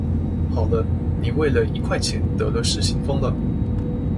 好了，你為了一塊錢得了失心瘋了